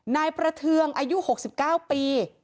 นายประเทืองอายุ๖๙ปี